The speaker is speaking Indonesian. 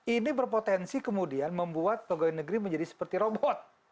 ini berpotensi kemudian membuat pegawai negeri menjadi seperti robot